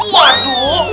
masih tanya mereka ya